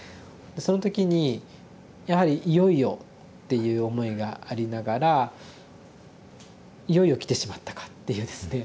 その時にやはり「いよいよ」っていう思いがありながら「いよいよ来てしまったか」っていうですね